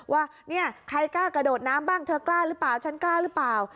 ว่าเนี่ยใครกล้ากระโดดน้ำบ้างเธอกล้าหรือเปล่าฉันกล้าหรือเปล่า